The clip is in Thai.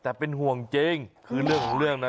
แต่เป็นห่วงเจ้งคือเรื่องนะ